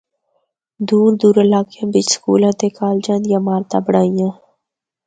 دور دور علاقیاں بچ سکولاں تے کالجاں دیاں عمارتاں بنڑائیاں۔